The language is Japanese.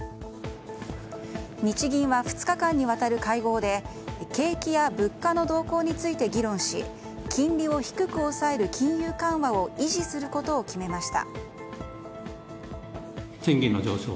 日銀は２日間にわたる会合で景気や物価の動向について議論し金利を低く抑える金融緩和を維持することを決めました。